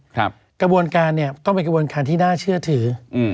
กระบวนการเนี้ยก็เป็นกระบวนการที่น่าเชื่อถืออืม